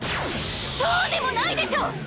そうでもないでしょ！